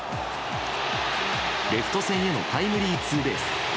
レフト線へのタイムリーツーベース。